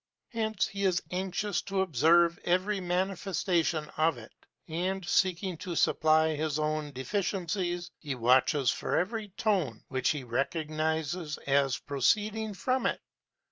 Hence, he is anxious to observe every manifestation of it; and, seeking to supply his own deficiencies, he watches for every tone which he recognizes as proceeding from it.